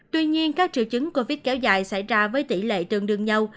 tuy nhiên các triệu chứng covid kéo dài xảy ra với tỷ lệ tương đương nhau